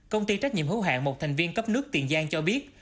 công ty trách nhiệm hữu hạng một thành viên cấp nước tiền giang cho biết